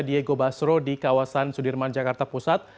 diego basro di kawasan sudirman jakarta pusat